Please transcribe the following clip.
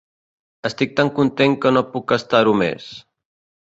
Estic tant content que no puc estar-ho més.